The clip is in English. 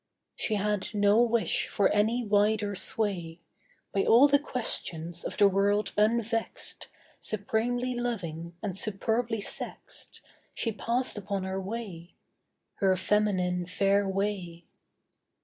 She had no wish for any wider sway: By all the questions of the world unvexed, Supremely loving and superbly sexed, She passed upon her way— Her feminine fair way.